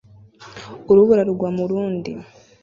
Urubura rugwa mu rundi